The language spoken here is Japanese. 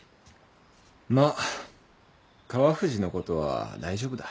まあ川藤のことは大丈夫だ。